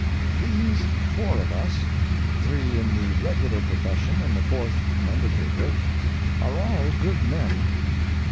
These four of us—three in the regular profession and the fourth an undertaker—are all good men.